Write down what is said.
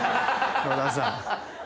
野田さん。